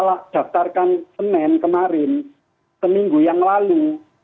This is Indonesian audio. saya daftarkan semen kemarin seminggu yang lalu